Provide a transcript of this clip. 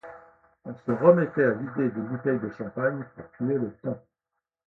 On se remettait à vider des bouteilles de champagne pour tuer le temps.